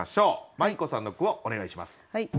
まい子さんの句をお願いします。